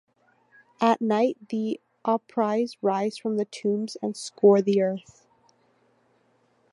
At night, the oupyrs rise from their tombs and scour the earth.